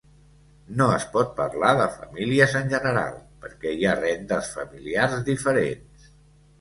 No es pot parlar de famílies en general, perquè hi ha rendes familiars diferents.